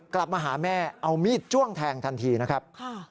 กลับมาหาแม่เอามีดจ้วงแทงทันทีนะครับ